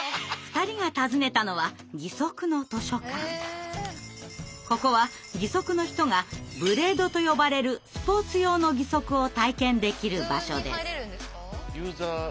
２人が訪ねたのはここは義足の人が「ブレード」と呼ばれるスポーツ用の義足を体験できる場所です。